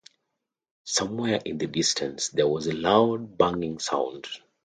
Somewhere in the distance there was a loud banging sound.